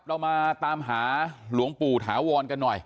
เรามาตามหาหลวงปู่ถาวรกันหน่อย